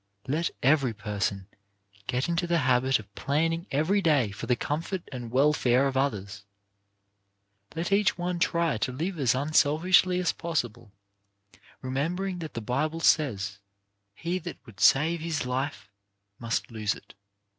Let every person get into the habit of planning every day for the comfort and welfare of others, let each one try to live as unselfishly as possible, remembering that the Bible says: "He that would save his life, must lose it.